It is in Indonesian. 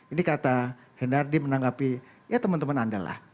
ini kata hendardi menanggapi ya teman teman anda lah